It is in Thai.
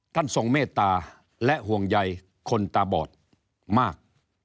ทรงเมตตาและห่วงใยคนตาบอดมาก